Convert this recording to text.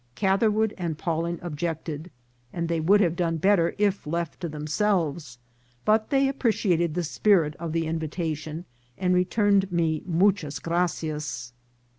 Catherwood and Pawling objected, and they would have done better if left to themselves ; but they appreciated the spirit of the invitation, and returned me muchas gratias.